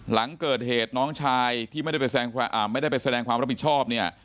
หลังเกิดเหตุน้องชายที่ไม่ได้ไปแสดงความรับผิดชอบเนี่ย